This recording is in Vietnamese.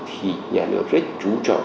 thì nhà nước rất trú trọng